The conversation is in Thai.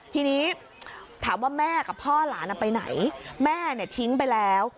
ทีนี้ถามว่าแม่กับพ่อหลานไปไหนแม่เนี่ยทิ้งไปแล้ว